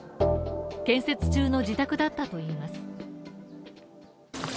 建設中の自宅だったといいます。